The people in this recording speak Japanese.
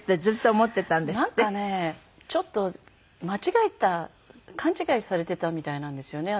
なんかねちょっと間違えた勘違いされてたみたいなんですよね。